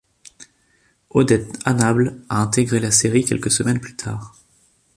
Odette Annable a intégré la série quelques semaines plus tard.